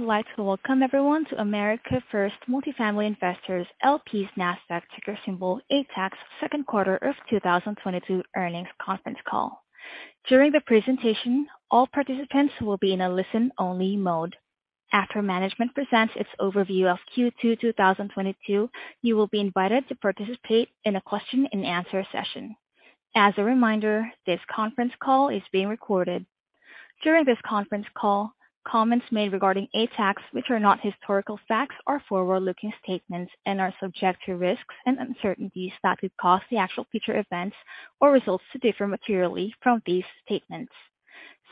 I would like to welcome everyone to America First Multifamily Investors, L.P.'s Nasdaq ticker symbol ATAX second quarter of 2022 earnings conference call. During the presentation, all participants will be in a listen-only mode. After management presents its overview of Q2 2022, you will be invited to participate in a question and answer session. As a reminder, this conference call is being recorded. During this conference call, comments made regarding ATAX which are not historical facts are forward-looking statements and are subject to risks and uncertainties that could cause the actual future events or results to differ materially from these statements.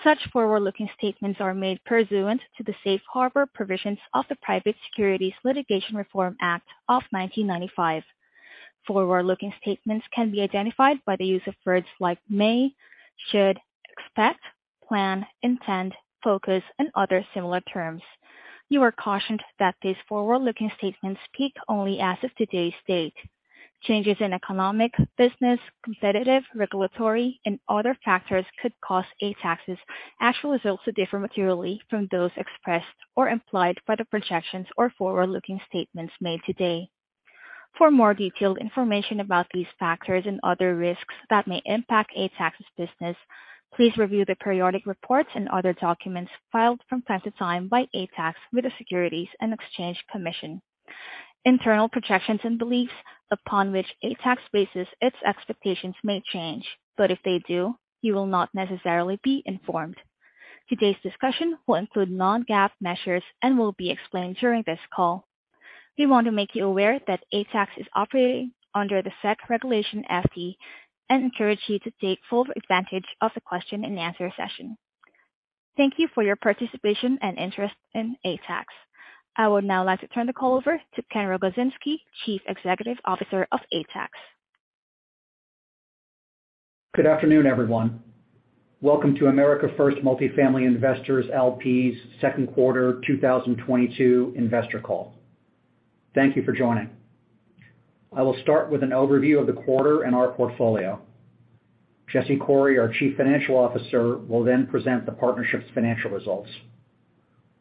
Such forward-looking statements are made pursuant to the Safe Harbor Provisions of the Private Securities Litigation Reform Act of 1995. Forward-looking statements can be identified by the use of words like may, should, expect, plan, intend, focus, and other similar terms. You are cautioned that these forward-looking statements speak only as of today's date. Changes in economic, business, competitive, regulatory and other factors could cause Greystone Housing Impact Investors LP's actual results to differ materially from those expressed or implied by the projections or forward-looking statements made today. For more detailed information about these factors and other risks that may impact Greystone Housing Impact Investors LP's business, please review the periodic reports and other documents filed from time to time by Greystone Housing Impact Investors LP with the Securities and Exchange Commission. Internal projections and beliefs upon which Greystone Housing Impact Investors LP bases its expectations may change, but if they do, you will not necessarily be informed. Today's discussion will include non-GAAP measures and will be explained during this call. We want to make you aware that Greystone Housing Impact Investors LP is operating under the SEC Regulation FD and encourage you to take full advantage of the question and answer session. Thank you for your participation and interest in Greystone Housing Impact Investors LP. I would now like to turn the call over to Ken Rogozinski, Chief Executive Officer of Greystone Housing Impact Investors LP. Good afternoon, everyone. Welcome to America First Multifamily Investors, L.P.'s second quarter 2022 investor call. Thank you for joining. I will start with an overview of the quarter and our portfolio. Jesse Coury, our Chief Financial Officer, will then present the partnership's financial results.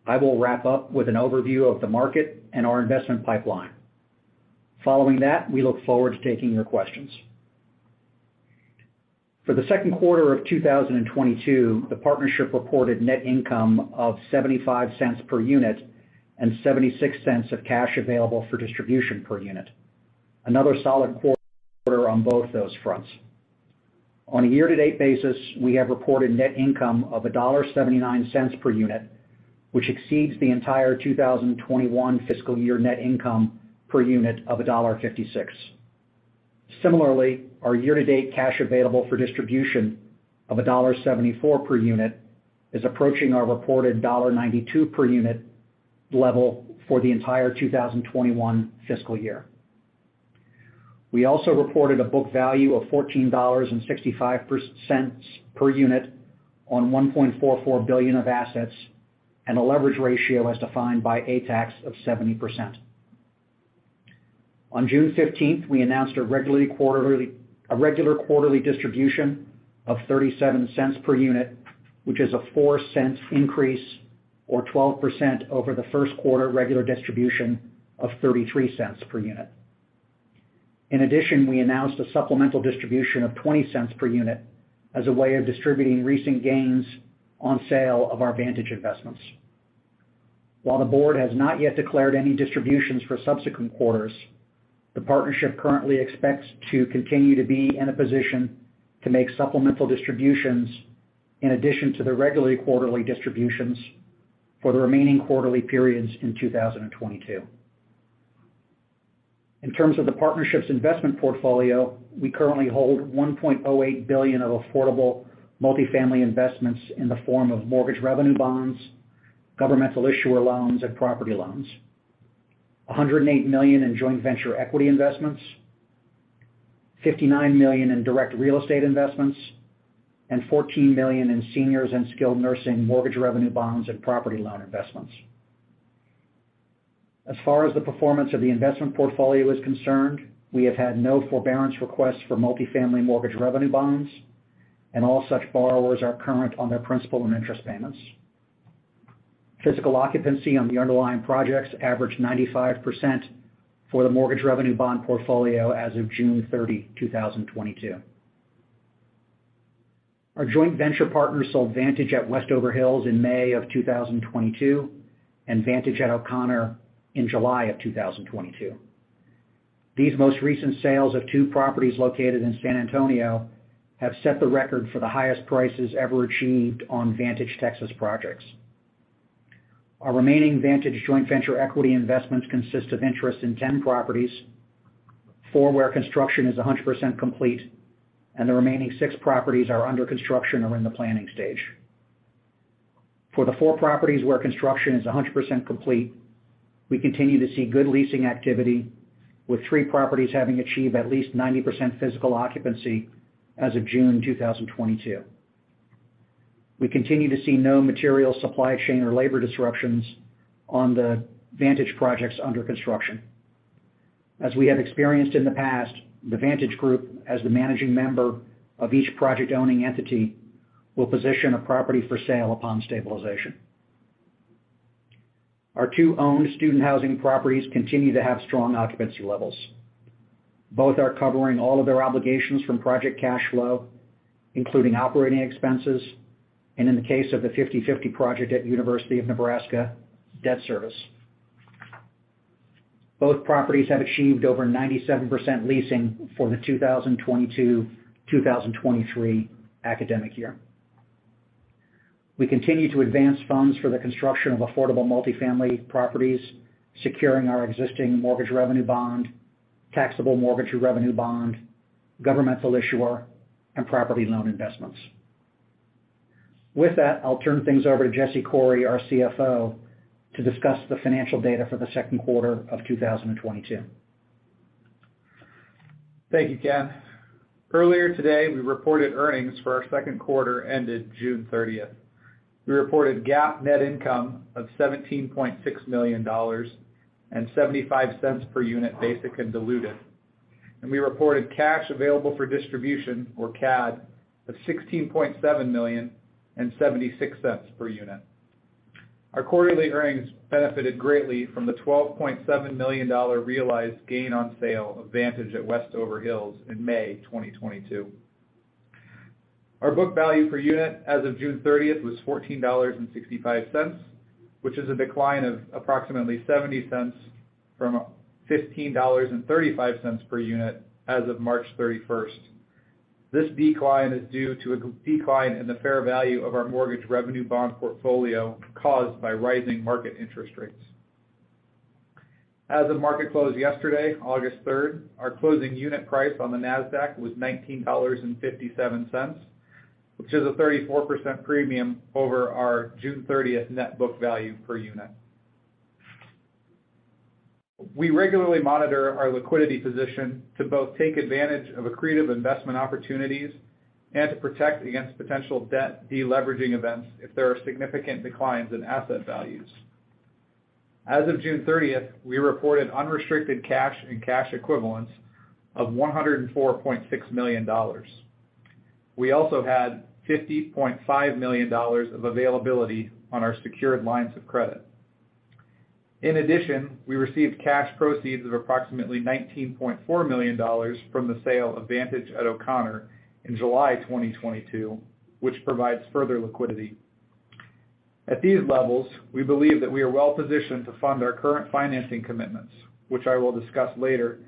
I will wrap up with an overview of the market and our investment pipeline. Following that, we look forward to taking your questions. For the second quarter of 2022, the partnership reported net income of $0.75 per unit and $0.76 of cash available for distribution per unit. Another solid quarter on both those fronts. On a year-to-date basis, we have reported net income of $1.79 per unit, which exceeds the entire 2021 fiscal year net income per unit of $1.56. Similarly, our year-to-date cash available for distribution of $1.74 per unit is approaching our reported $1.92 per unit level for the entire 2021 fiscal year. We also reported a book value of $14.65 per unit on $1.44 billion of assets, and a leverage ratio as defined by ATAX of 70%. On June 15th, we announced a regular quarterly distribution of $0.37 per unit, which is a 4-cent increase or 12% over the first quarter regular distribution of $0.33 per unit. In addition, we announced a supplemental distribution of $0.20 per unit as a way of distributing recent gains on sale of our Vantage investments. While the board has not yet declared any distributions for subsequent quarters, the partnership currently expects to continue to be in a position to make supplemental distributions in addition to the regularly quarterly distributions for the remaining quarterly periods in 2022. In terms of the partnership's investment portfolio, we currently hold $1.08 billion of affordable multifamily investments in the form of mortgage revenue bonds, governmental issuer loans, and property loans. $108 million in joint venture equity investments, $59 million in direct real estate investments, and $14 million in seniors and skilled nursing mortgage revenue bonds and property loan investments. As far as the performance of the investment portfolio is concerned, we have had no forbearance requests for multifamily mortgage revenue bonds, and all such borrowers are current on their principal and interest payments. Physical occupancy on the underlying projects averaged 95% for the mortgage revenue bond portfolio as of June 30, 2022. Our joint venture partner sold Vantage at Westover Hills in May of 2022 and Vantage at O'Connor in July of 2022. These most recent sales of two properties located in San Antonio have set the record for the highest prices ever achieved on Vantage Texas projects. Our remaining Vantage joint venture equity investments consist of interest in 10 properties, four where construction is 100% complete and the remaining six properties are under construction or in the planning stage. For the four properties where construction is 100% complete, we continue to see good leasing activity, with three properties having achieved at least 90% physical occupancy as of June 2022. We continue to see no material supply chain or labor disruptions on the Vantage projects under construction. As we have experienced in the past, the Vantage Group, as the managing member of each project-owning entity, will position a property for sale upon stabilization. Our two owned student housing properties continue to have strong occupancy levels. Both are covering all of their obligations from project cash flow, including operating expenses, and in the case of the 50/50 project at University of Nebraska, debt service. Both properties have achieved over 97% leasing for the 2022/2023 academic year. We continue to advance funds for the construction of affordable multifamily properties, securing our existing mortgage revenue bond, taxable mortgage revenue bond, governmental issuer, and property loan investments. With that, I'll turn things over to Jesse Coury, our CFO, to discuss the financial data for the second quarter of 2022. Thank you, Ken. Earlier today, we reported earnings for our second quarter ended June 30. We reported GAAP net income of $17.6 million and $0.75 per unit, basic and diluted. We reported cash available for distribution, or CAD, of $16.7 million and $0.76 per unit. Our quarterly earnings benefited greatly from the $12.7 million realized gain on sale of Vantage at Westover Hills in May 2022. Our book value per unit as of June 30 was $14.65, which is a decline of approximately 70 cents from $15.35 per unit as of March 31. This decline is due to a decline in the fair value of our mortgage revenue bond portfolio caused by rising market interest rates. As the market closed yesterday, August third, our closing unit price on the Nasdaq was $19.57, which is a 34% premium over our June 13th net book value per unit. We regularly monitor our liquidity position to both take advantage of accretive investment opportunities and to protect against potential debt deleveraging events if there are significant declines in asset values. As of June 13th, we reported unrestricted cash and cash equivalents of $104.6 million. We also had $50.5 million of availability on our secured lines of credit. In addition, we received cash proceeds of approximately $19.4 million from the sale of Vantage at O'Connor in July 2022, which provides further liquidity. At these levels, we believe that we are well-positioned to fund our current financing commitments, which I will discuss later,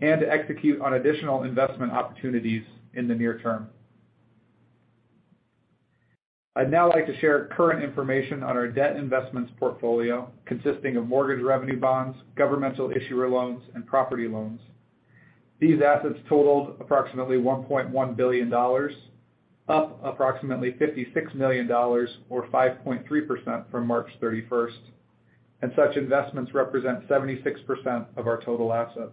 and to execute on additional investment opportunities in the near term. I'd now like to share current information on our debt investments portfolio consisting of mortgage revenue bonds, governmental issuer loans, and property loans. These assets totaled approximately $1.1 billion, up approximately $56 million or 5.3% from March 31, and such investments represent 76% of our total assets.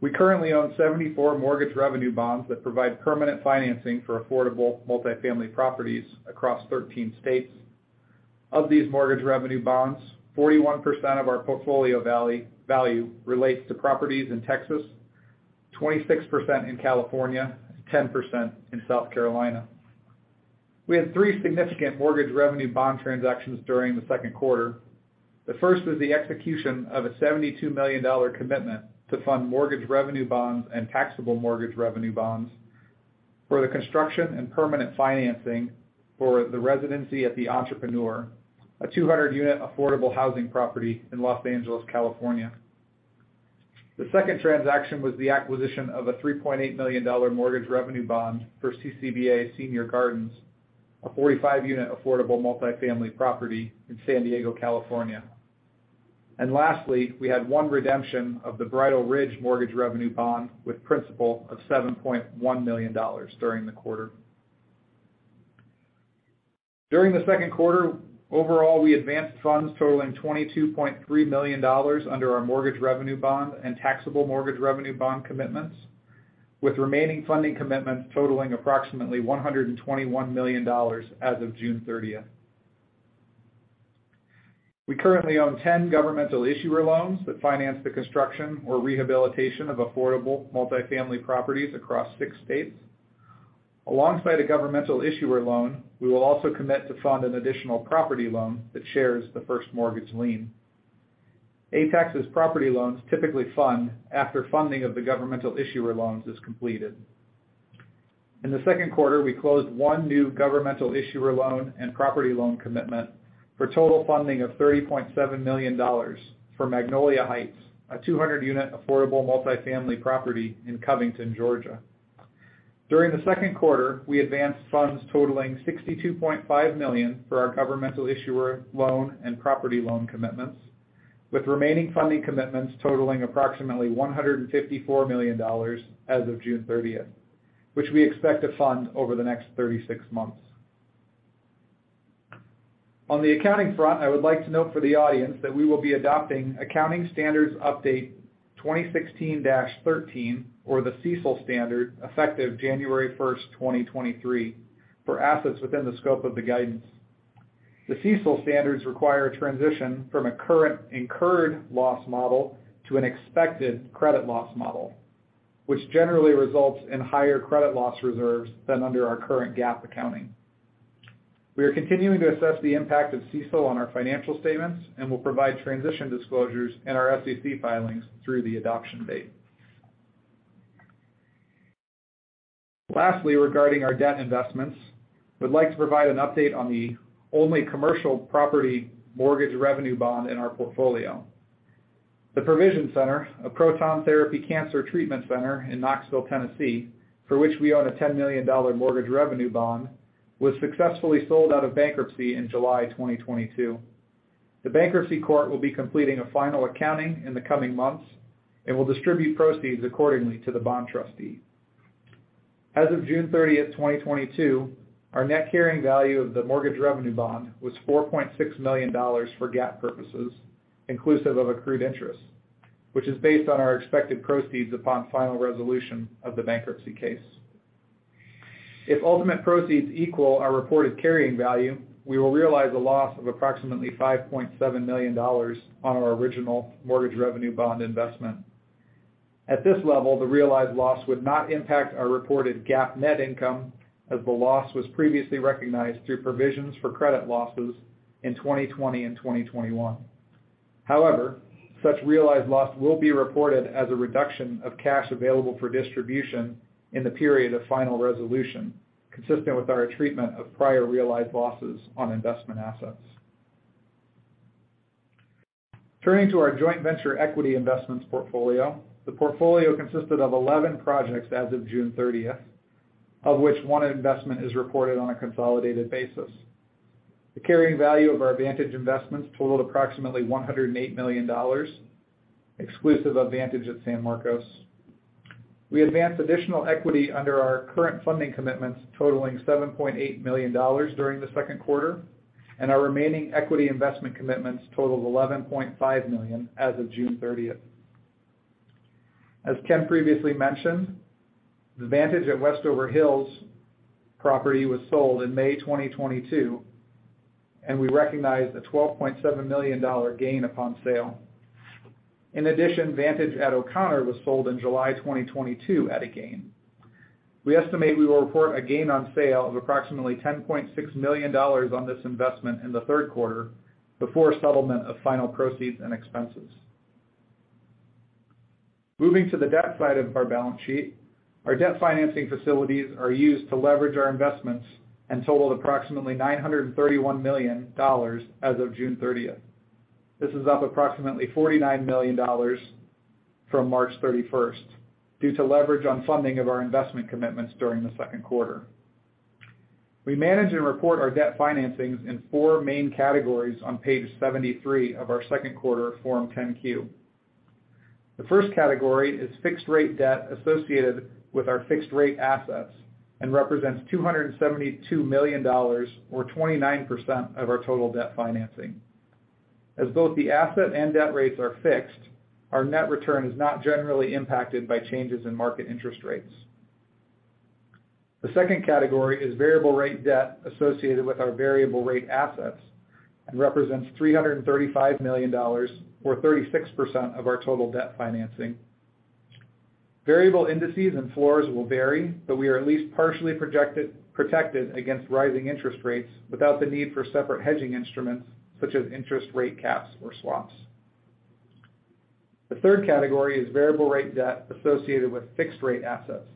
We currently own 74 mortgage revenue bonds that provide permanent financing for affordable multifamily properties across 13 states. Of these mortgage revenue bonds, 41% of our portfolio value relates to properties in Texas, 26% in California, 10% in South Carolina. We had three significant mortgage revenue bond transactions during the second quarter. The first was the execution of a $72 million commitment to fund mortgage revenue bonds and taxable mortgage revenue bonds for the construction and permanent financing for the Residency at the Entrepreneur, a 200-unit affordable housing property in Los Angeles, California. The second transaction was the acquisition of a $3.8 million mortgage revenue bond for CCBA Senior Gardens, a 45-unit affordable multifamily property in San Diego, California. Lastly, we had one redemption of the Bridle Ridge mortgage revenue bond with principal of $7.1 million during the quarter. During the second quarter, overall, we advanced funds totaling $22.3 million under our mortgage revenue bond and taxable mortgage revenue bond commitments, with remaining funding commitments totaling approximately $121 million as of June 13th. We currently own 10 governmental issuer loans that finance the construction or rehabilitation of affordable multifamily properties across six states. Alongside a governmental issuer loan, we will also commit to fund an additional property loan that shares the first mortgage lien. ATAX's property loans typically fund after funding of the governmental issuer loans is completed. In the second quarter, we closed one new governmental issuer loan and property loan commitment for total funding of $30.7 million for Magnolia Heights, a 200-unit affordable multifamily property in Covington, Georgia. During the second quarter, we advanced funds totaling $62.5 million for our governmental issuer loan and property loan commitments, with remaining funding commitments totaling approximately $154 million as of June 13th, which we expect to fund over the next 36 months. On the accounting front, I would like to note for the audience that we will be adopting Accounting Standards Update 2016-13, or the CECL standard, effective January 1, 2023 for assets within the scope of the guidance. The CECL standards require a transition from a current incurred loss model to an expected credit loss model, which generally results in higher credit loss reserves than under our current GAAP accounting. We are continuing to assess the impact of CECL on our financial statements, and will provide transition disclosures in our SEC filings through the adoption date. Lastly, regarding our debt investments, we'd like to provide an update on the only commercial property mortgage revenue bond in our portfolio. The Provision CARES Proton Therapy Center, a proton therapy cancer treatment center in Knoxville, Tennessee, for which we own a $10 million mortgage revenue bond, was successfully sold out of bankruptcy in July 2022. The bankruptcy court will be completing a final accounting in the coming months and will distribute proceeds accordingly to the bond trustee. As of June 30, 2022, our net carrying value of the mortgage revenue bond was $4.6 million for GAAP purposes, inclusive of accrued interest, which is based on our expected proceeds upon final resolution of the bankruptcy case. If ultimate proceeds equal our reported carrying value, we will realize a loss of approximately $5.7 million on our original mortgage revenue bond investment. At this level, the realized loss would not impact our reported GAAP net income, as the loss was previously recognized through provisions for credit losses in 2020 and 2021. However, such realized loss will be reported as a reduction of cash available for distribution in the period of final resolution, consistent with our treatment of prior realized losses on investment assets. Turning to our joint venture equity investments portfolio. The portfolio consisted of 11 projects as of June 30, of which one investment is reported on a consolidated basis. The carrying value of our Vantage investments totaled approximately $108 million, exclusive of Vantage at San Marcos. We advanced additional equity under our current funding commitments totaling $7.8 million during the second quarter, and our remaining equity investment commitments totaled $11.5 million as of June 30. As Ken previously mentioned, the Vantage at Westover Hills property was sold in May 2022, and we recognized a $12.7 million gain upon sale. In addition, Vantage at O'Connor was sold in July 2022 at a gain. We estimate we will report a gain on sale of approximately $10.6 million on this investment in the third quarter before settlement of final proceeds and expenses. Moving to the debt side of our balance sheet. Our debt financing facilities are used to leverage our investments and totaled approximately $931 million as of June 30. This is up approximately $49 million from March 31 due to leverage on funding of our investment commitments during the second quarter. We manage and report our debt financings in four main categories on page 73 of our second quarter Form 10-Q. The first category is fixed-rate debt associated with our fixed-rate assets and represents $272 million or 29% of our total debt financing. As both the asset and debt rates are fixed, our net return is not generally impacted by changes in market interest rates. The second category is variable rate debt associated with our variable rate assets and represents $335 million or 36% of our total debt financing. Variable indices and floors will vary, but we are at least partially protected against rising interest rates without the need for separate hedging instruments such as interest rate caps or swaps. The third category is variable rate debt associated with fixed rate assets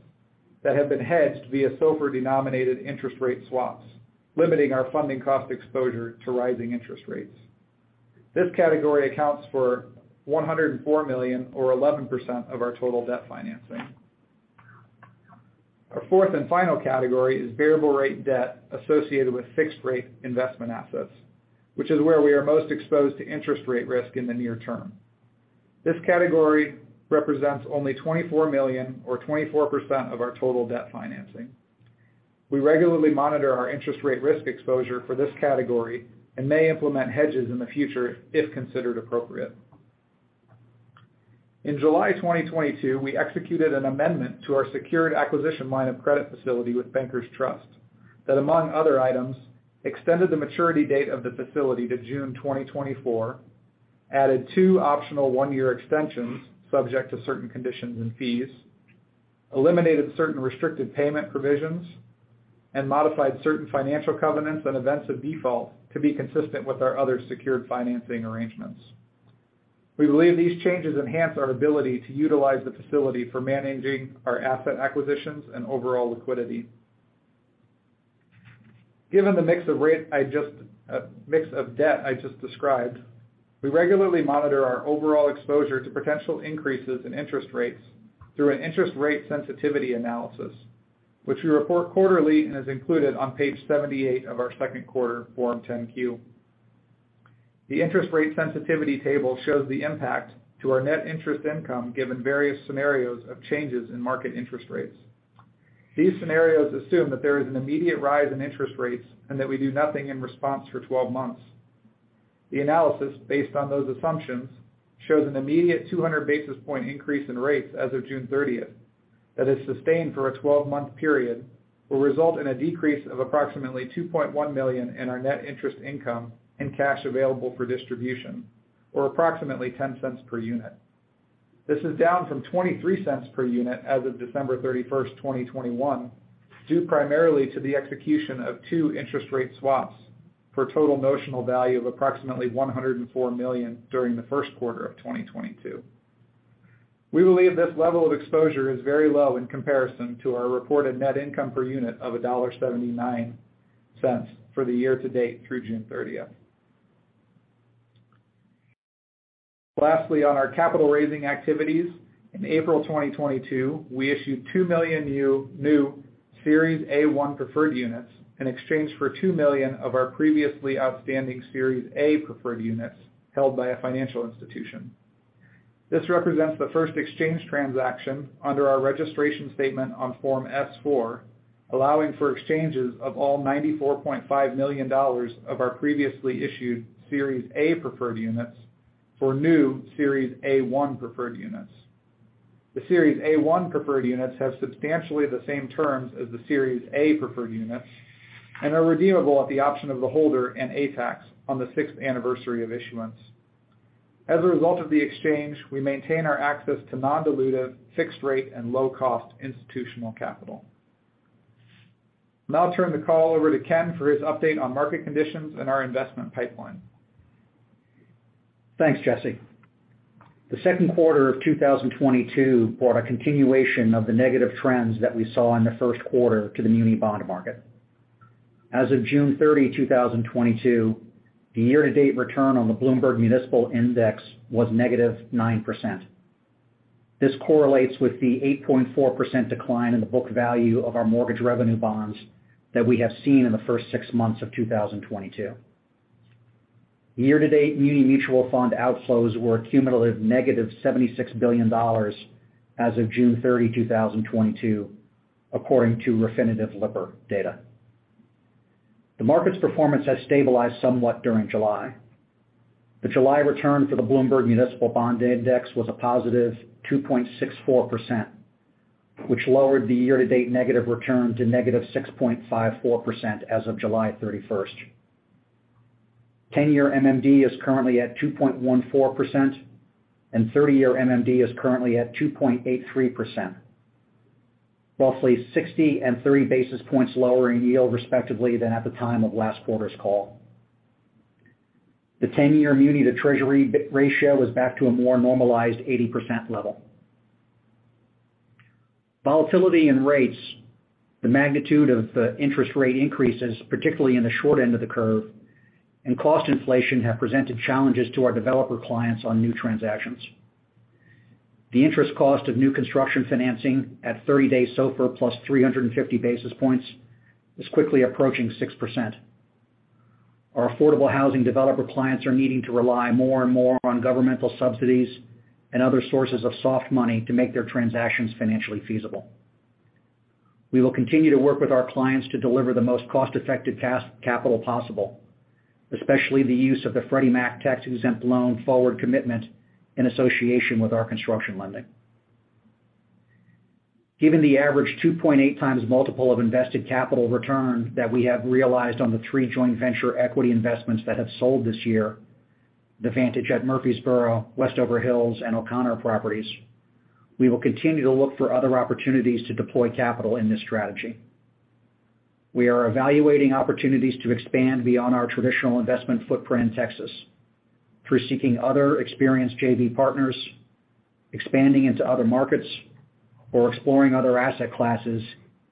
that have been hedged via SOFR-denominated interest rate swaps, limiting our funding cost exposure to rising interest rates. This category accounts for $104 million or 11% of our total debt financing. Our fourth and final category is variable rate debt associated with fixed rate investment assets, which is where we are most exposed to interest rate risk in the near term. This category represents only $24 million or 24% of our total debt financing. We regularly monitor our interest rate risk exposure for this category and may implement hedges in the future if considered appropriate. In July 2022, we executed an amendment to our secured acquisition line of credit facility with Bankers Trust that, among other items, extended the maturity date of the facility to June 2024, added two optional one-year extensions subject to certain conditions and fees, eliminated certain restricted payment provisions, and modified certain financial covenants and events of default to be consistent with our other secured financing arrangements. We believe these changes enhance our ability to utilize the facility for managing our asset acquisitions and overall liquidity. Given the mix of debt I just described, we regularly monitor our overall exposure to potential increases in interest rates through an interest rate sensitivity analysis, which we report quarterly and is included on page 78 of our second quarter Form 10-Q. The interest rate sensitivity table shows the impact to our net interest income given various scenarios of changes in market interest rates. These scenarios assume that there is an immediate rise in interest rates and that we do nothing in response for 12 months. The analysis based on those assumptions shows an immediate 200 basis point increase in rates as of June 30 that is sustained for a 12-month period will result in a decrease of approximately $2.1 million in our net interest income and cash available for distribution, or approximately $0.10 per unit. This is down from $0.23 per unit as of December 31, 2021, due primarily to the execution of two interest rate swaps for a total notional value of approximately $104 million during the first quarter of 2022. We believe this level of exposure is very low in comparison to our reported net income per unit of $1.79 for the year to date through June 30. Lastly, on our capital raising activities, in April 2022, we issued 2 million new Series A-1 preferred units in exchange for 2 million of our previously outstanding Series A preferred units held by a financial institution. This represents the first exchange transaction under our registration statement on Form S-4, allowing for exchanges of all $94.5 million of our previously issued Series A preferred units for new Series A-1 preferred units. The Series A-1 preferred units have substantially the same terms as the Series A preferred units and are redeemable at the option of the holder and ATAX on the sixth anniversary of issuance. As a result of the exchange, we maintain our access to non-dilutive, fixed rate, and low-cost institutional capital. Now I'll turn the call over to Ken for his update on market conditions and our investment pipeline. Thanks, Jesse. The second quarter of 2022 brought a continuation of the negative trends that we saw in the first quarter to the muni bond market. As of June 30, 2022, the year-to-date return on the Bloomberg Municipal Index was -9%. This correlates with the 8.4% decline in the book value of our mortgage revenue bonds that we have seen in the first six months of 2022. Year-to-date muni mutual fund outflows were a cumulative -$76 billion as of June 30, 2022, according to LSEG Lipper data. The market's performance has stabilized somewhat during July. The July return for the Bloomberg Municipal Bond Index was +2.64%, which lowered the year-to-date negative return to -6.54% as of July 31. 10-year MMD is currently at 2.14%, and 30-year MMD is currently at 2.83%, roughly 60 and 30 basis points lower in yield respectively than at the time of last quarter's call. The 10-year muni to Treasury ratio is back to a more normalized 80% level. Volatility in rates, the magnitude of the interest rate increases, particularly in the short end of the curve, and cost inflation have presented challenges to our developer clients on new transactions. The interest cost of new construction financing at 30-day SOFR plus 350 basis points is quickly approaching 6%. Our affordable housing developer clients are needing to rely more and more on governmental subsidies and other sources of soft money to make their transactions financially feasible. We will continue to work with our clients to deliver the most cost-effective capital possible, especially the use of the Freddie Mac Tax-Exempt Loan forward commitment in association with our construction lending. Given the average 2.8x multiple of invested capital return that we have realized on the three joint venture equity investments that have sold this year, the Vantage at Murfreesboro, Vantage at Westover Hills, and Vantage at O'Connor properties, we will continue to look for other opportunities to deploy capital in this strategy. We are evaluating opportunities to expand beyond our traditional investment footprint in Texas through seeking other experienced JV partners, expanding into other markets, or exploring other asset classes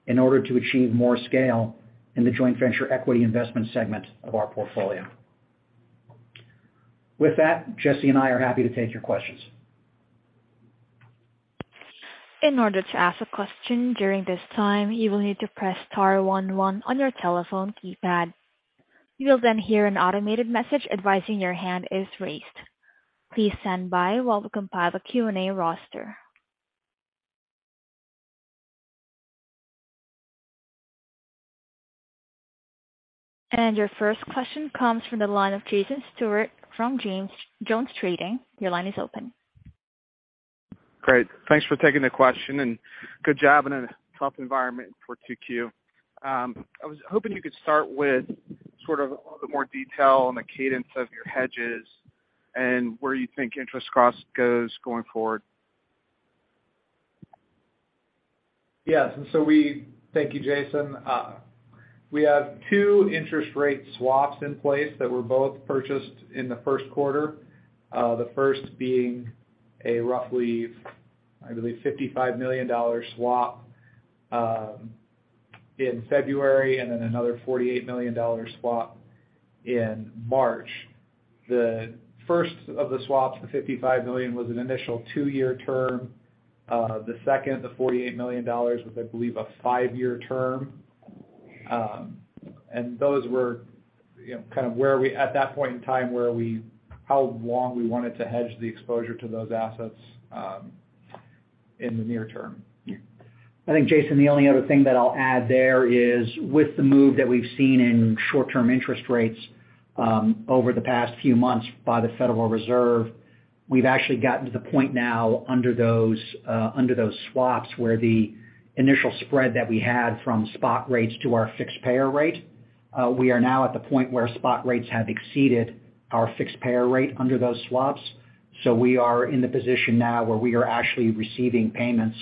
in order to achieve more scale in the joint venture equity investment segment of our portfolio. With that, Jesse and I are happy to take your questions. In order to ask a question during this time, you will need to press star one one on your telephone keypad. You will then hear an automated message advising your hand is raised. Please stand by while we compile a Q&A roster. Your first question comes from the line of Jason Stewart from JonesTrading. Your line is open. Great. Thanks for taking the question, and good job in a tough environment for 2Q. I was hoping you could start with sort of a little bit more detail on the cadence of your hedges and where you think interest cost goes going forward. Yes. Thank you, Jason. We have two interest rate swaps in place that were both purchased in the first quarter. The first being a roughly, I believe, $55 million swap in February, and then another $48 million swap in March. The first of the swaps, the $55 million, was an initial two-year term. The second, the $48 million, was I believe a five-year term. And those were, you know, kind of at that point in time how long we wanted to hedge the exposure to those assets. In the near term. I think, Jason, the only other thing that I'll add there is with the move that we've seen in short-term interest rates over the past few months by the Federal Reserve, we've actually gotten to the point now under those swaps where the initial spread that we had from spot rates to our fixed payer rate, we are now at the point where spot rates have exceeded our fixed payer rate under those swaps. We are in the position now where we are actually receiving payments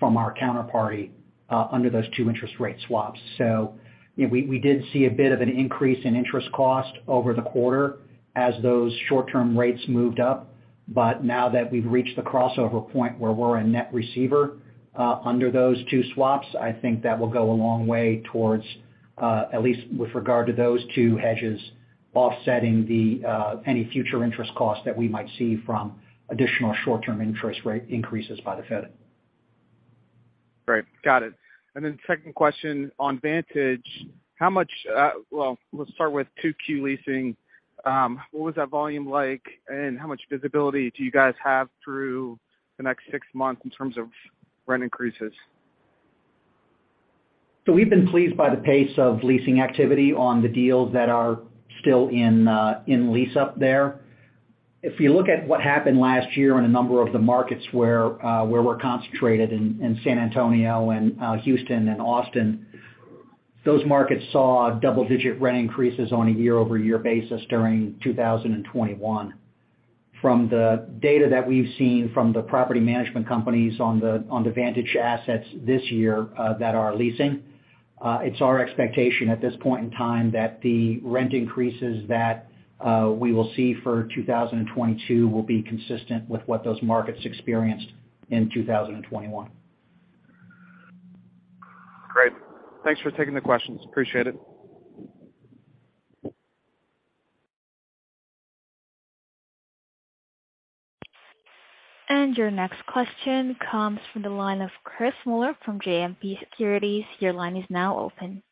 from our counterparty under those two interest rate swaps. We did see a bit of an increase in interest cost over the quarter as those short-term rates moved up. Now that we've reached the crossover point where we're a net receiver, under those two swaps, I think that will go a long way towards at least with regard to those two hedges offsetting the any future interest costs that we might see from additional short-term interest rate increases by the Fed. Great. Got it. Second question on Vantage. Let's start with 2Q leasing. What was that volume like, and how much visibility do you guys have through the next six months in terms of rent increases? We've been pleased by the pace of leasing activity on the deals that are still in lease up there. If you look at what happened last year in a number of the markets where we're concentrated in San Antonio and Houston and Austin, those markets saw double-digit rent increases on a year-over-year basis during 2021. From the data that we've seen from the property management companies on the Vantage assets this year that are leasing, it's our expectation at this point in time that the rent increases that we will see for 2022 will be consistent with what those markets experienced in 2021. Great. Thanks for taking the questions. Appreciate it. Your next question comes from the line of Chris Muller from JMP Securities. Your line is now open.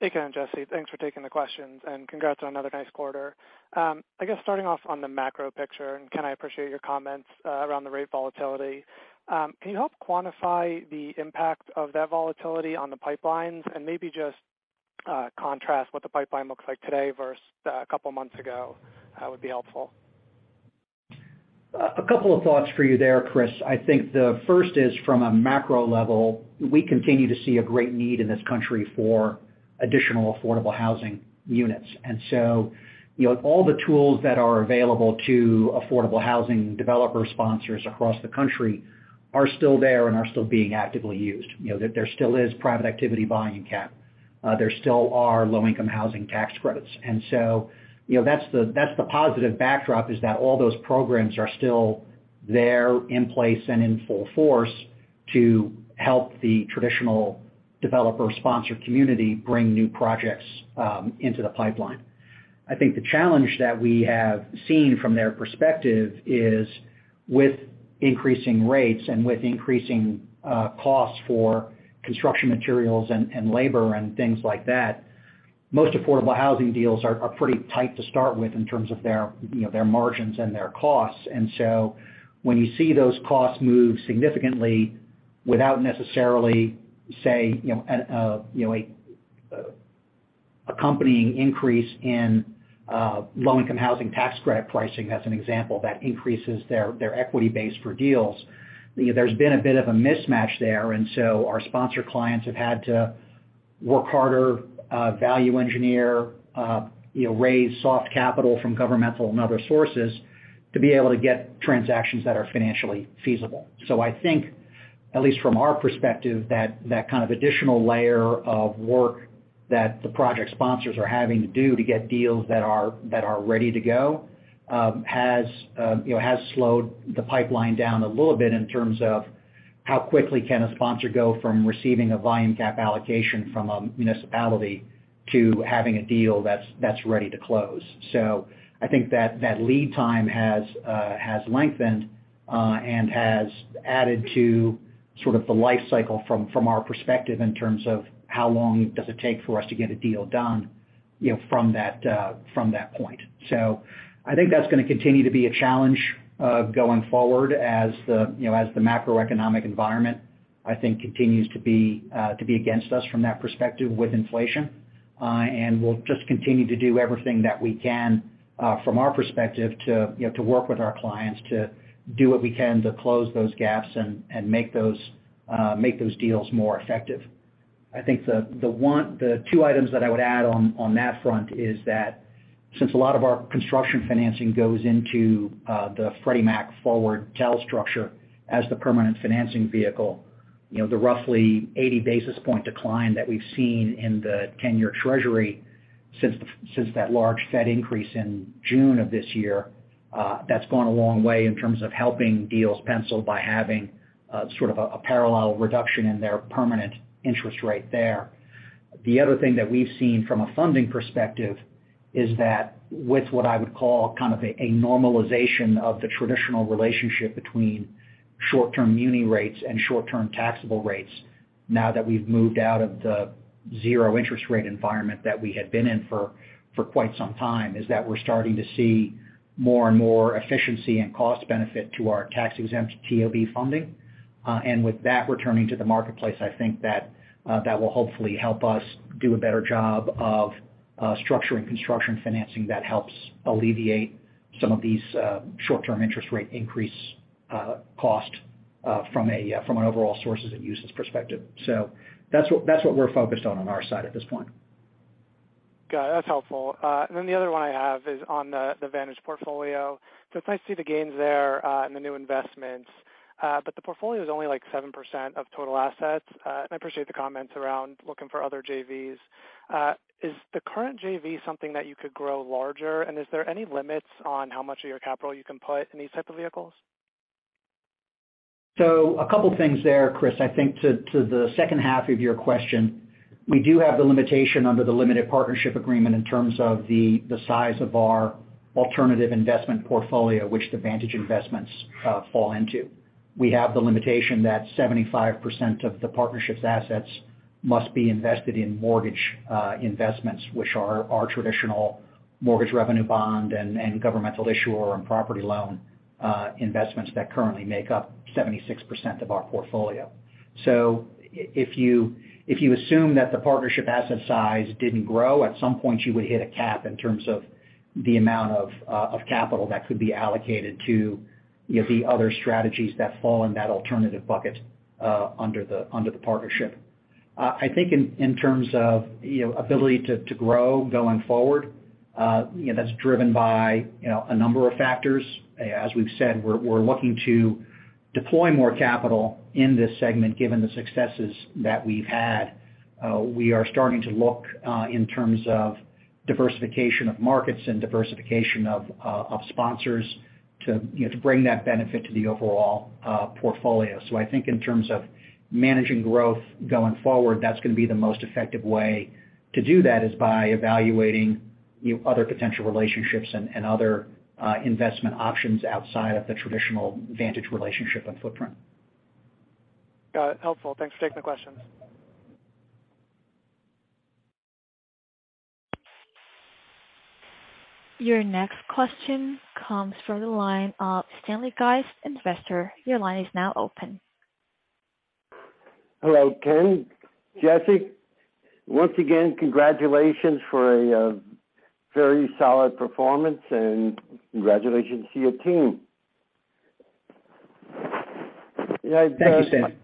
Hey, Ken, Jesse, thanks for taking the questions, and congrats on another nice quarter. I guess starting off on the macro picture, and Ken, I appreciate your comments around the rate volatility. Can you help quantify the impact of that volatility on the pipelines and maybe just contrast what the pipeline looks like today versus a couple of months ago? That would be helpful. A couple of thoughts for you there, Chris. I think the first is from a macro level, we continue to see a great need in this country for additional affordable housing units. You know, all the tools that are available to affordable housing developer sponsors across the country are still there and are still being actively used. You know, there still is private activity bond cap. There still are Low-Income Housing Tax Credit. You know, that's the positive backdrop, is that all those programs are still there in place and in full force to help the traditional developer sponsor community bring new projects into the pipeline. I think the challenge that we have seen from their perspective is with increasing rates and with increasing costs for construction materials and labor and things like that. Most affordable housing deals are pretty tight to start with in terms of their, you know, their margins and their costs. When you see those costs move significantly without necessarily, say, you know, a accompanying increase in Low-Income Housing Tax Credit pricing, as an example, that increases their equity base for deals. You know, there's been a bit of a mismatch there. Our sponsor clients have had to work harder, value engineer, you know, raise soft capital from governmental and other sources to be able to get transactions that are financially feasible. I think, at least from our perspective, that kind of additional layer of work that the project sponsors are having to do to get deals that are ready to go, you know, has slowed the pipeline down a little bit in terms of how quickly can a sponsor go from receiving a volume cap allocation from a municipality to having a deal that's ready to close. I think that lead time has lengthened, and has added to sort of the life cycle from our perspective in terms of how long does it take for us to get a deal done, you know, from that point. I think that's going to continue to be a challenge going forward as the you know as the macroeconomic environment I think continues to be against us from that perspective with inflation. We'll just continue to do everything that we can from our perspective to you know to work with our clients to do what we can to close those gaps and make those deals more effective. I think the two items that I would add on that front is that since a lot of our construction financing goes into the Freddie Mac forward TEL structure as the permanent financing vehicle, you know, the roughly 80 basis points decline that we've seen in the 10-year Treasury since that large Fed increase in June of this year, that's gone a long way in terms of helping deals pencil by having sort of a parallel reduction in their permanent interest rate there. The other thing that we've seen from a funding perspective is that with what I would call kind of a normalization of the traditional relationship between short-term muni rates and short-term taxable rates. Now that we've moved out of the zero interest rate environment that we had been in for quite some time, is that we're starting to see more and more efficiency and cost benefit to our tax-exempt TOB funding. With that returning to the marketplace, I think that that will hopefully help us do a better job of structuring construction financing that helps alleviate some of these short-term interest rate increase cost from an overall sources and uses perspective. That's what we're focused on on our side at this point. Got it. That's helpful. The other one I have is on the Vantage portfolio. It's nice to see the gains there, and the new investments. The portfolio is only like 7% of total assets. I appreciate the comments around looking for other JVs. Is the current JV something that you could grow larger? Is there any limits on how much of your capital you can put in these type of vehicles? A couple things there, Chris. I think to the second half of your question, we do have the limitation under the limited partnership agreement in terms of the size of our alternative investment portfolio, which the Vantage investments fall into. We have the limitation that 75% of the partnership's assets must be invested in mortgage investments, which are our traditional mortgage revenue bond and governmental issuer and property loan investments that currently make up 76% of our portfolio. If you assume that the partnership asset size didn't grow, at some point you would hit a cap in terms of the amount of capital that could be allocated to, you know, the other strategies that fall in that alternative bucket under the partnership. I think in terms of, you know, ability to grow going forward, that's driven by, you know, a number of factors. As we've said, we're looking to deploy more capital in this segment given the successes that we've had. We are starting to look in terms of diversification of markets and diversification of sponsors to, you know, to bring that benefit to the overall portfolio. I think in terms of managing growth going forward, that's gonna be the most effective way to do that, is by evaluating, you know, other potential relationships and other investment options outside of the traditional Vantage relationship and footprint. Got it. Helpful. Thanks for taking the questions. Your next question comes from the line of Stanley Geist, Investor. Your line is now open. Hello, Ken, Jesse. Once again, congratulations for a very solid performance, and congratulations to your team. Thank you, Stan.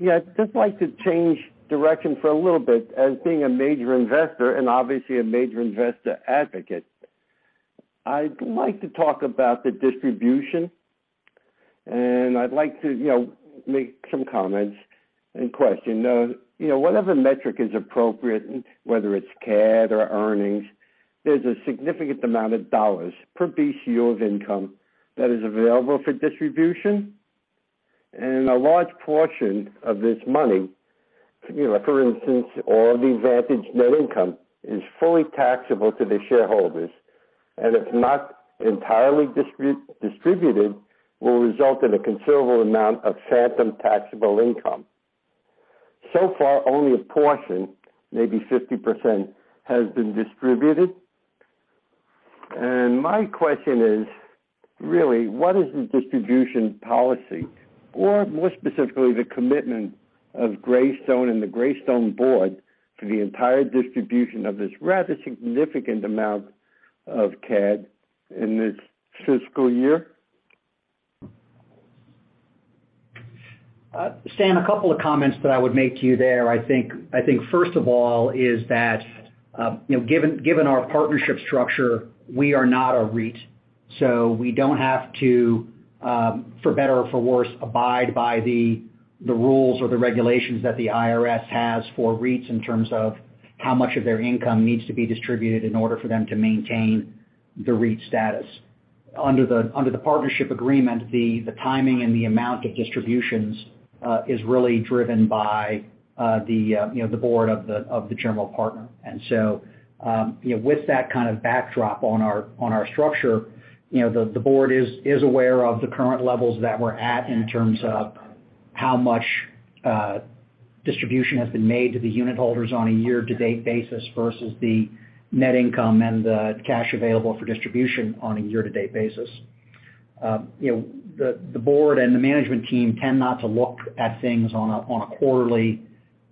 Yeah, I'd just like to change direction for a little bit. As being a major investor and obviously a major investor advocate, I'd like to talk about the distribution, and I'd like to, you know, make some comments and question. You know, whatever metric is appropriate, whether it's CAD or earnings, there's a significant amount of dollars per BUC of income that is available for distribution. A large portion of this money, you know, for instance, all the Vantage net income is fully taxable to the shareholders, and if not entirely distributed, will result in a considerable amount of phantom taxable income. So far, only a portion, maybe 50%, has been distributed. My question is, really, what is the distribution policy, or more specifically, the commitment of Greystone and the Greystone board to the entire distribution of this rather significant amount of CAD in this fiscal year? Stan, a couple of comments that I would make to you there. I think first of all is that, you know, given our partnership structure, we are not a REIT, so we don't have to, for better or for worse, abide by the rules or the regulations that the IRS has for REITs in terms of how much of their income needs to be distributed in order for them to maintain the REIT status. Under the partnership agreement, the timing and the amount of distributions is really driven by the board of the general partner. With that kind of backdrop on our structure, you know, the board is aware of the current levels that we're at in terms of how much distribution has been made to the unit holders on a year-to-date basis versus the net income and the cash available for distribution on a year-to-date basis. You know, the board and the management team tend not to look at things on a quarterly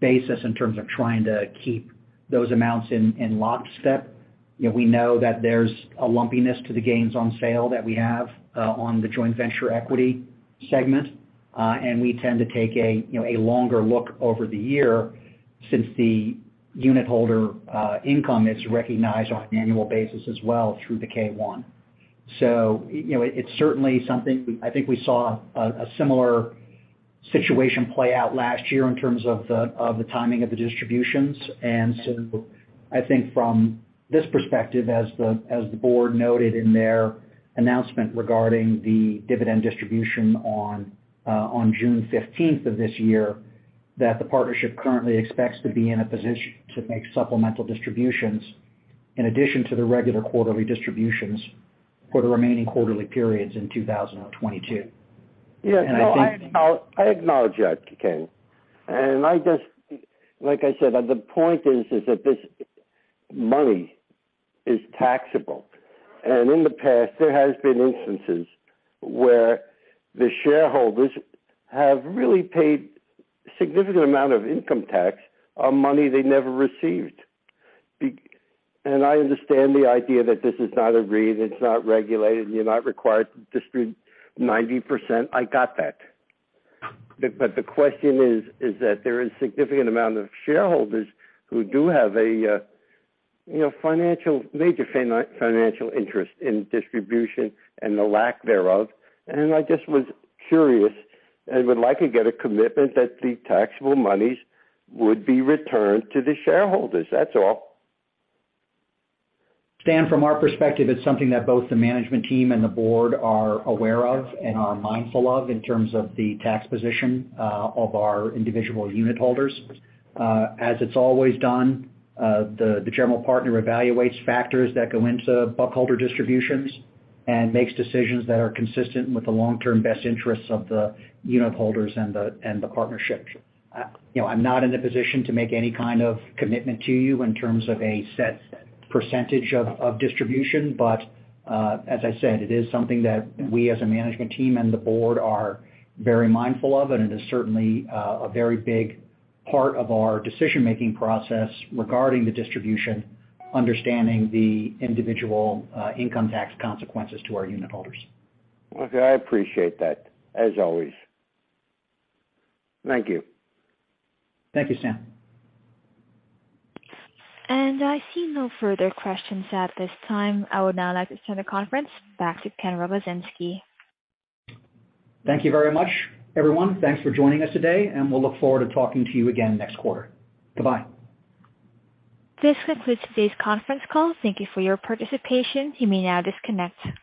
basis in terms of trying to keep those amounts in lockstep. You know, we know that there's a lumpiness to the gains on sale that we have on the joint venture equity segment, and we tend to take you know, a longer look over the year since the unit holder income is recognized on an annual basis as well through the K-1. You know, it's certainly something. I think we saw a similar situation play out last year in terms of the timing of the distributions. I think from this perspective, as the board noted in their announcement regarding the dividend distribution on June 15th of this year, that the partnership currently expects to be in a position to make supplemental distributions in addition to the regular quarterly distributions for the remaining quarterly periods in 2022. Yeah. No, I acknowledge that, Ken. I just like I said, the point is that this money is taxable. In the past, there has been instances where the shareholders have really paid significant amount of income tax on money they never received. I understand the idea that this is not agreed, it's not regulated, and you're not required to distribute 90%. I got that. The question is that there is significant amount of shareholders who do have a, you know, major financial interest in distribution and the lack thereof. I just was curious and would like to get a commitment that the taxable monies would be returned to the shareholders. That's all. Stan, from our perspective, it's something that both the management team and the board are aware of and are mindful of in terms of the tax position of our individual unitholders. As it's always done, the general partner evaluates factors that go into unitholder distributions and makes decisions that are consistent with the long-term best interests of the unitholders and the partnership. You know, I'm not in a position to make any kind of commitment to you in terms of a set percentage of distribution. As I said, it is something that we as a management team and the board are very mindful of, and it is certainly a very big part of our decision-making process regarding the distribution, understanding the individual income tax consequences to our unitholders. Okay. I appreciate that, as always. Thank you. Thank you, Stan. I see no further questions at this time. I would now like to turn the conference back to Ken Rogozinski. Thank you very much, everyone. Thanks for joining us today, and we'll look forward to talking to you again next quarter. Bye-bye. This concludes today's conference call. Thank you for your participation. You may now disconnect.